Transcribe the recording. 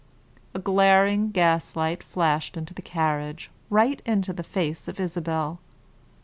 A glaring gaslight flashed into the carriage, right into the face of Isabel.